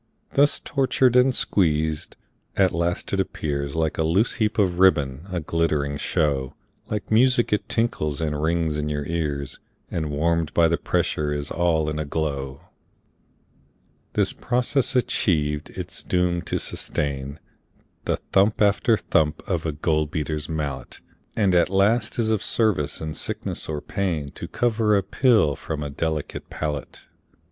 Thus tortured and squeezed, at last it appears Like a loose heap of ribbon, a glittering show, Like music it tinkles and rings in your ears, And warm'd by the pressure is all in a glow. This process achiev'd, it is doom'd to sustain The thump after thump of a gold beater's mallet, And at last is of service in sickness or pain To cover a pill from a delicate palate.